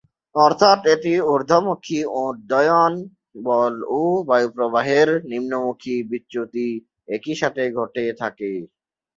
অর্থাৎ, একটি ঊর্ধ্বমুখী উড্ডয়ন বল ও বায়ুপ্রবাহের নিম্নমুখী বিচ্যুতি একই সাথে ঘটে থাকে।